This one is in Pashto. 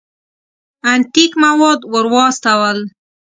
انتیک مواد ور واستول.